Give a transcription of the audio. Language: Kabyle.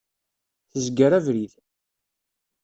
Tezger abrid.